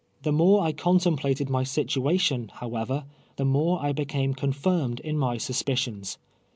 The more 1 contemplated my situation, however, the more I l)ecame contirmed in my suspicions.